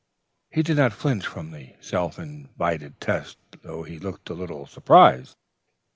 "He did not flinch from the self invited test, though he looked a little surprised.